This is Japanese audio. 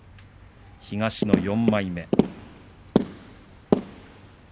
東の４枚目。